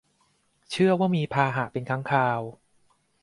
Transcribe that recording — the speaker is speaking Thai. เชื่อว่ามีพาหะเป็นค้างคาว